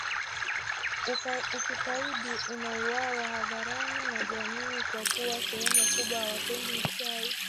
Ukikaidi unauwawa hadharani na jamii kwa kuwa sehemu kubwa hawapendi uchawi